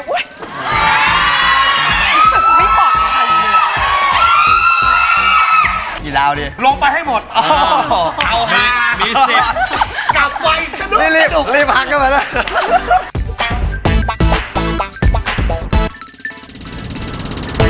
ก็คิดไม่เหมาะเลย